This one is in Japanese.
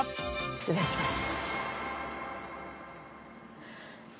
失礼します。